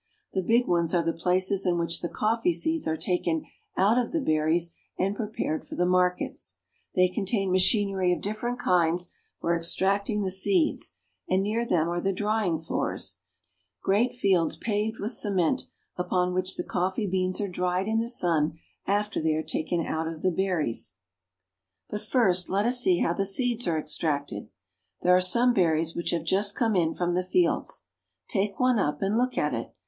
The big ones are the places in which the coffee seeds are taken out of the berries and prepared for the markets. They contain machinery of different kinds for extracting the seeds, and near them are the drying floors, great fields paved with cement, upon which the coffee beans are dried in the sun after they are taken out of the berries. 264 BRAZIL. But first let us see how the seeds are extracted. There are some berries which have just come in from the fields. Take one up and look at it.